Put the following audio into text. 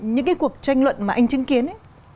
những cái cuộc tranh luận mà anh chứng kiến ấy